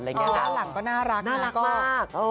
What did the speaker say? ระหลังแล้วมาก